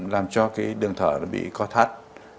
làm cho cái đường thở bị co thắt